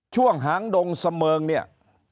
ช่วงหางดงเสมิงเนี่ย